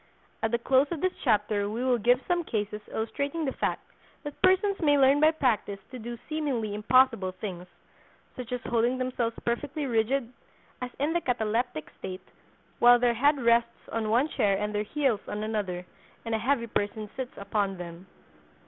At the close of this chapter we will give some cases illustrating the fact that persons may learn by practice to do seemingly impossible things, such as holding themselves perfectly rigid (as in the cataleptic state) while their head rests on one chair and their heels on another, and a heavy person sits upon them.